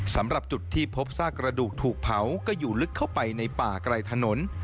สำหรับจุดที่พบซากกระดูกถูกเผาก็อยู่ลึกเข้าไปในป่าไกลถนน